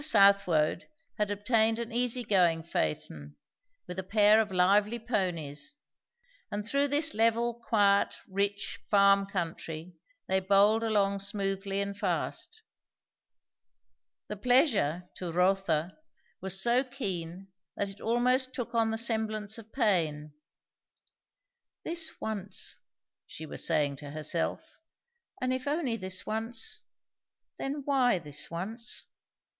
Southwode had obtained an easy going phaeton, with a pair of lively ponies; and through this level, quiet, rich, farm country they bowled along smoothly and fast. The pleasure, to Rotha, was so keen that it almost took on the semblance of pain. "This once," she was saying to herself; "and if only this once, then why this once?"